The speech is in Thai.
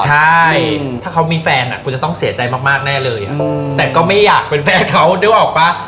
ใช่ถ้าเขามีแฟนคุณจะต้องเสียใจมากแน่เลยแต่ก็ไม่อยากเป็นแฟนเขานึกออกป่ะ